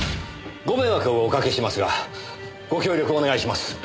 ご迷惑をおかけしますがご協力をお願いします。